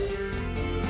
sampai jumpa lagi